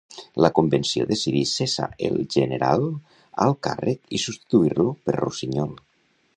La Convenció decidí cessar el general al càrrec i substituir-lo per Rossinyol.